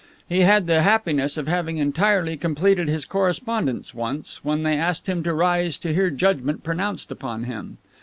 He had the happiness of having entirely completed his correspondence when they asked him to rise to hear judgment pronounced upon him.